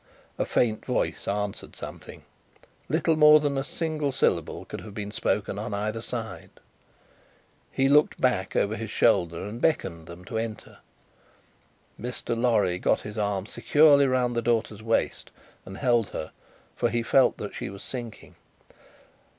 A faint voice answered something. Little more than a single syllable could have been spoken on either side. He looked back over his shoulder, and beckoned them to enter. Mr. Lorry got his arm securely round the daughter's waist, and held her; for he felt that she was sinking.